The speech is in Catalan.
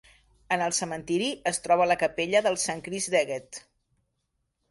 En el cementiri es troba la capella del Sant Crist d'Èguet.